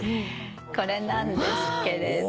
これなんですけれども。